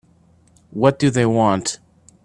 What do they want?